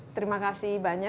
terima kasih banyak